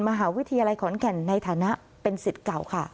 มหาวิทยาลัยขอนแก่นในฐานะเป็นสิทธิ์เก่าค่ะ